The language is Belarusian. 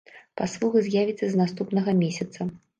Паслуга з'явіцца з наступнага месяца.